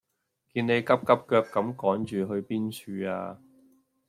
見你急急腳咁趕住去邊處呀